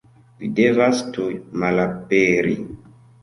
Vi devas tuj malaperi.